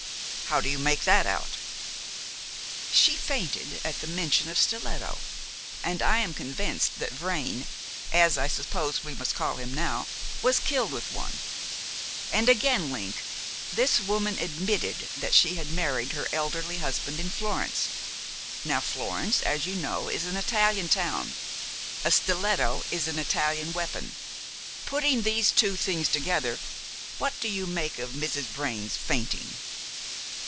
"How do you make that out?" "She fainted at the mention of stiletto; and I am convinced that Vrain as I suppose we must call him now was killed with one. And again, Link, this woman admitted that she had married her elderly husband in Florence. Now, Florence, as you know, is an Italian town; a stiletto is an Italian weapon. Putting these two things together, what do you make of Mrs. Vrain's fainting?"